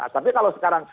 tapi kalau sekarang